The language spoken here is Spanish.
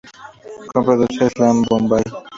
Coproduce "Salaam Bombay!